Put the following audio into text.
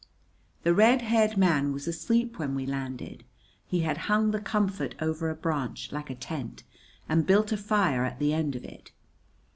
The red haired man was asleep when we landed. He had hung the comfort over a branch, like a tent, and built a fire at the end of it.